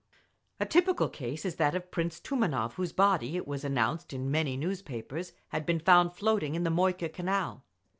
A typical case is that of Prince Tumanov, whose body, it was announced in many newspapers, had been found floating in the Moika Canal.